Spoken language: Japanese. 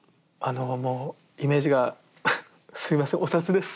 もうイメージがすいませんお札です。